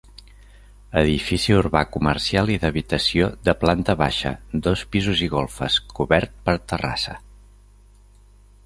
Edifici urbà comercial i d'habitació de planta baixa, dos pisos i golfes, cobert per terrassa.